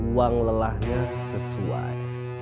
uang lelahnya sesuai